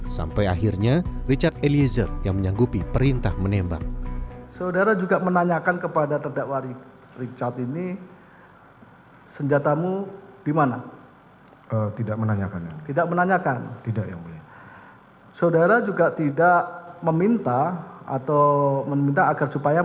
sampai akhirnya richard eliezer yang menyanggupi perintah menembak